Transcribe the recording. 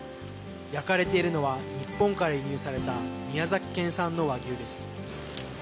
焼かれているのは日本から輸入された宮崎県産の和牛です。